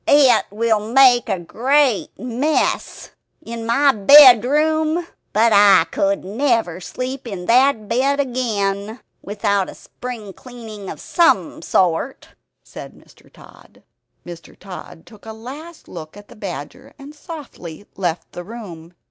"It will make a great mess in my bedroom; but I could never sleep in that bed again without a spring cleaning of some sort," said Mr. Tod. Mr. Tod took a last look at the badger and softly left the room.